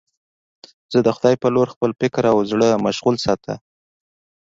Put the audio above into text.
زه د خدای په لور خپل فکر او زړه مشغول ساته.